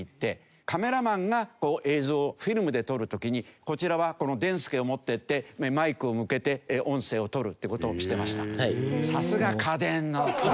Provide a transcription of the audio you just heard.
カメラマンが映像をフィルムで撮る時にこちらはデンスケを持っていってマイクを向けて音声を録るって事をしてました。